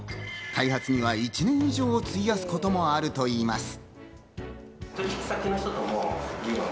開発には１年以上費やすこともあるといいます。